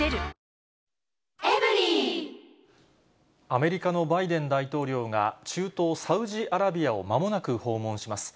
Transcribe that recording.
アメリカのバイデン大統領が、中東サウジアラビアをまもなく訪問します。